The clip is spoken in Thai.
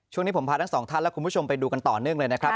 ช่วงนี้ผมพาทั้งสองท่านและคุณผู้ชมไปดูกันต่อเนื่องเลยนะครับ